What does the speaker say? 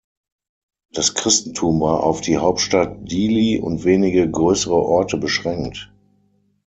Das Christentum war auf die Hauptstadt Dili und wenige größere Orte beschränkt.